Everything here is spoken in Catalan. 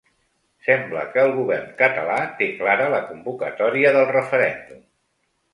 Sembla que el govern català té clara la convocatòria del referèndum.